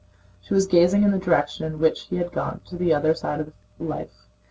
She was gazing in the direction in which he had gone—to the other side of life.